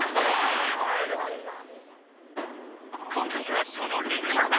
今回はその令和版。